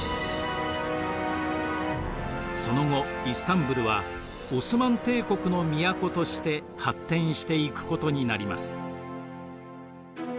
その後イスタンブルはオスマン帝国の都として発展していくことになります。